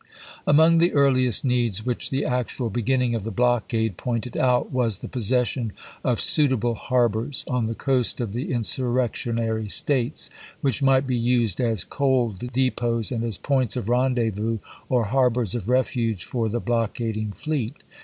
Among the earliest needs which the actual be ginning of the blockade pointed out was the pos session of suitable harbors, on the coast of the insurrectionary States, which might be used as coal depots and as points of rendezvous or harbors of refuge for the blockading fleet.